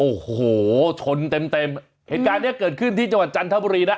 โอ้โหชนเต็มเต็มเหตุการณ์เนี้ยเกิดขึ้นที่จังหวัดจันทบุรีนะ